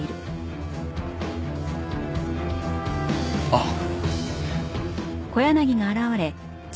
あっ。